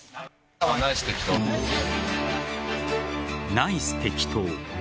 ナイス適当。